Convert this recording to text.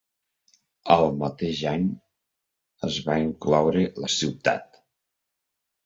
El mateix any es va incloure la ciutat.